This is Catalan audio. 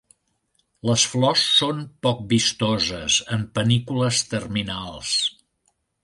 Les flors són poc vistoses en panícules terminals.